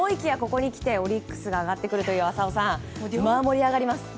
ここにきて、オリックスが上がってくるという浅尾さん、盛り上がりますね。